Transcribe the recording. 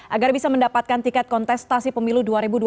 agar bisa mendapatkan tiket kontestasi pemilu dua ribu dua puluh